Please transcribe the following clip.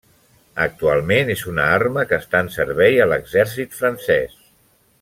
Actualment és una arma que està en servei a l'exèrcit francés.